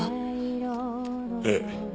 ええ。